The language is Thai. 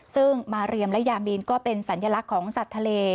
ซึ่งมาเรียมและยามีนก็เป็นสัญลักษณ์ของสัตว์ทะเล